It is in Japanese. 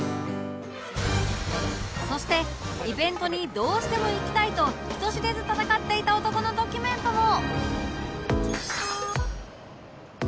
そしてイベントにどうしても行きたいと人知れず戦っていた男のドキュメントも